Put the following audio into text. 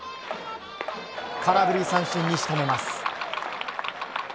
空振り三振に仕留めます。